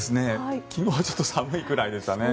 昨日はちょっと寒いくらいでしたね。